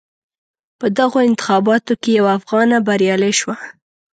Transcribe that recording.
په دغو انتخاباتو کې یوه افغانه بریالی شوه.